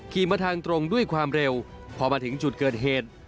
มาทางตรงด้วยความเร็วพอมาถึงจุดเกิดเหตุ